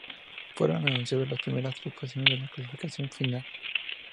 Fueron anunciadas las primeras tres posiciones de la clasificación final.